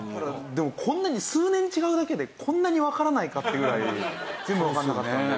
でもこんなに数年違うだけでこんなにわからないかってぐらい全部わかんなかったんで。